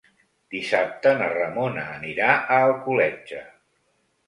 Dissabte na Ramona anirà a Alcoletge.